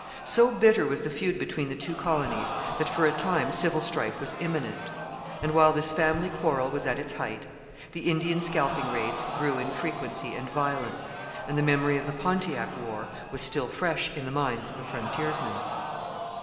So bitter was the feud between the two colonies that for a time civil strife was imminent. And while this family quarrel was at its height, the Indian scalping raids grew in frequency and violence; and the memory of the Pontiac War was still fresh in the minds of the frontiersmen.